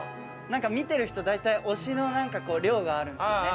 なんか見てる人大体推しの寮があるんですよね。